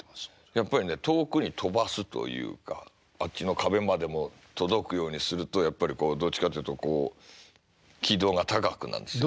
やっぱりね遠くに飛ばすというかあっちの壁までも届くようにするとやっぱりこうどっちかというとこう軌道が高くなるんですよね。